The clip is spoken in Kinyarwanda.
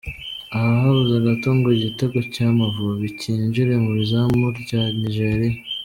Aha habuze gato ngo igitego cy’Amavubi cyinjire mu izamu rya Nigeria.